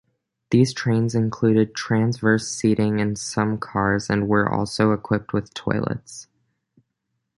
These trains included transverse seating in some cars and were also equipped with toilets.